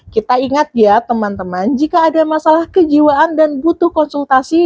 kita ingat ya teman teman jika ada masalah kejiwaan dan butuh konsultasi